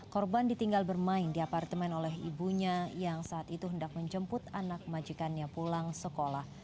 korban ditinggal bermain di apartemen oleh ibunya yang saat itu hendak menjemput anak majikannya pulang sekolah